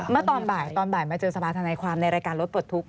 เมื่อตอนบ่ายมาเจอสะพาทนายความในรายการรถปลดทุกข์